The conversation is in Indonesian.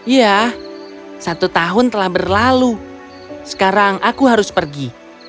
ya satu tahun telah berlalu sekarang aku harus pergi